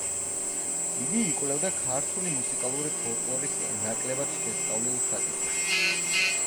იგი იკვლევდა ქართული მუსიკალური ფოლკლორის ნაკლებად შესწავლილ საკითხებს.